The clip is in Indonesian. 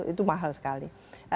itu mahal sekali